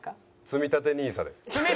つみたてＮＩＳＡ。